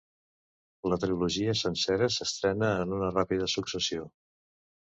La trilogia sencera s'estrena en una ràpida successió.